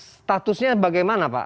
statusnya bagaimana pak